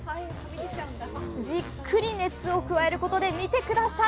じっくり熱を加えることで見て下さい！